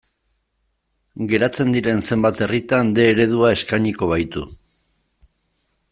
Geratzen diren zenbait herritan D eredua eskainiko baitu.